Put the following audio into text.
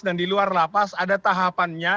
dan di luar lapas ada tahapannya